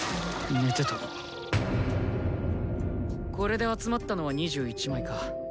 これで集まったのは２１枚か。